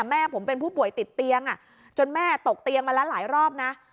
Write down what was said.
แม่ผมเป็นผู้ป่วยติดเตียงจนแม่ตกเตียงมาแล้วหลายรอบนะ